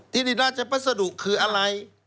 ที่นี่ราชพัสดุคืออะไร